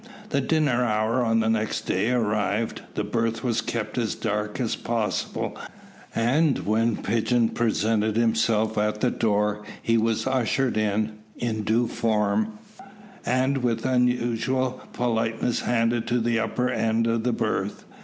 The dinner hour on the next day arrived. The berth was kept as dark as possible, and when Pigeon presented himself at the door he was ushered in in due form, and with unusual politeness handed to the upper end of the berth.